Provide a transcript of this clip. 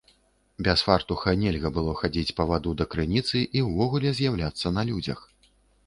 Без фартуха нельга было хадзіць па ваду да крыніцы і ўвогуле з'яўляцца на людзях.